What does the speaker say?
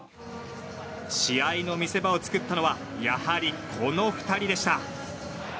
試合の見せ場を作ったのはやはり、この２人でした。